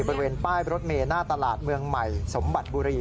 บริเวณป้ายรถเมล์หน้าตลาดเมืองใหม่สมบัติบุรี